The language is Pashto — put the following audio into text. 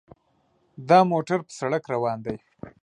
دا موټر په سړک روان دی.